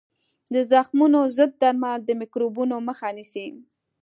د زخمونو ضد درمل د میکروبونو مخه نیسي.